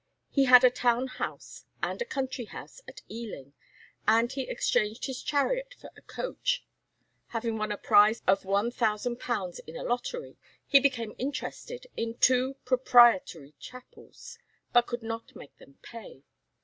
He had a town house, and a country house at Ealing, and he exchanged his chariot for a coach. Having won a prize of £1000 in a lottery, he became interested in two proprietary chapels, but could not make them pay.